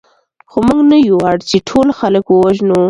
خو موږ نه یو اړ چې ټول خلک ووژنو